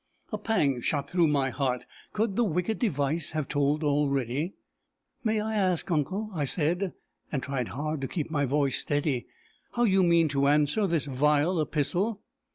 A pang shot through my heart. Could the wicked device have told already? "May I ask, uncle," I said, and tried hard to keep my voice steady, "how you mean to answer this vile epistle?"